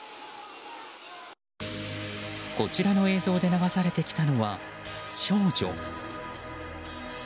こちらの映像で流されてきたのは少女。